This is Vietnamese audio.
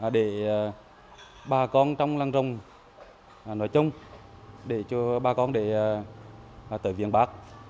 để ba con trong làng rồng nói chung để cho ba con tới viên bác